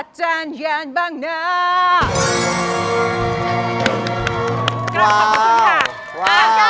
กานก้าว